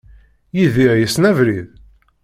Yidir yessen abrid?